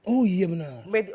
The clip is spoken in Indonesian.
oh iya bener